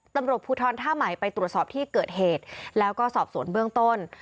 ตำรวจภูทรท่าใหม่ไปตรวจสอบที่เกิดเหตุแล้วก็สอบสวนเบื้องต้น